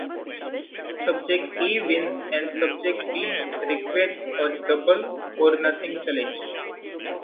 Subject A wins and subject B requests a “double or nothing” challenge.